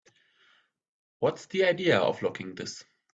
What's the idea of locking this?